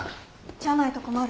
じゃないと困る。